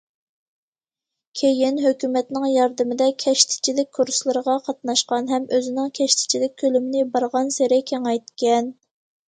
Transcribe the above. كېيىن ھۆكۈمەتنىڭ ياردىمىدە كەشتىچىلىك كۇرسلىرىغا قاتناشقان ھەم ئۆزىنىڭ كەشتىچىلىك كۆلىمىنى بارغانسېرى كېڭەيتكەن.